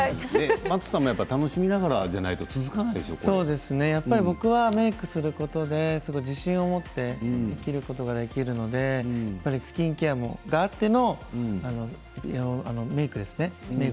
Ｍａｔｔさんも楽しみながらじゃないと僕はメークをすることで自信を持って生きることができるのでスキンケアがあってのメークですね。